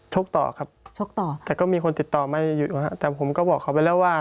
ชกต่อครับแต่ก็มีคนติดต่อมาอยู่อยู่ค่ะแต่ผมก็บอกเขาไปแล้วว่า